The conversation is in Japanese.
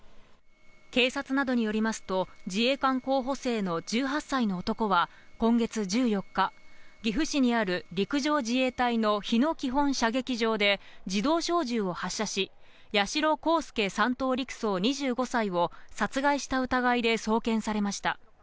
警察などによりますと、自衛官候補生の１８歳の男は今月１４日、岐阜市にある陸上自衛隊の日野基本射撃場で自動小銃を発射し、八代航佑３等陸曹、２５歳を殺害した疑いで送検されました。